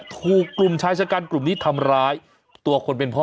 ถูกกลุ่มชายชะกันกลุ่มนี้ทำร้ายตัวคนเป็นพ่อ